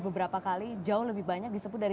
beberapa kali jauh lebih banyak disebut dari